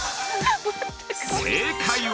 ◆正解は？